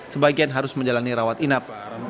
sebagian harus menjalani rawat inap